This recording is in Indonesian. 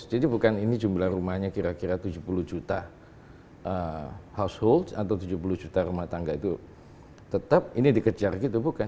jadi bukan ini jumlah rumahnya kira kira tujuh puluh juta household atau tujuh puluh juta rumah tangga itu tetap ini dikejar gitu bukan